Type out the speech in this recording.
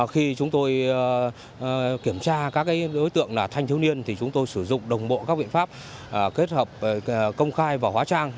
khi kiểm tra các đối tượng thanh thiếu niên thì chúng tôi sử dụng đồng bộ các biện pháp kết hợp công khai và hóa trang